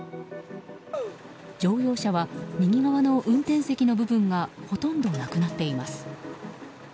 乗用車は、右側の運転席の部分がほとんどなくなっています。